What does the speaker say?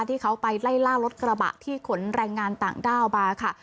ที่เขาไปไล่ล่ารถกระบะที่ขนแรงงานต่างด้าวมาค่ะ